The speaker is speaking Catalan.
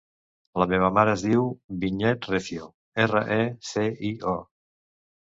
La meva mare es diu Vinyet Recio: erra, e, ce, i, o.